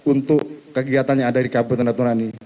untuk kegiatan yang ada di kabupaten natuna ini